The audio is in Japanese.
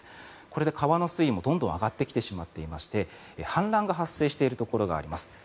これで川の水位もどんどん上がってきてしまっていまして氾濫が発生しているところがあります。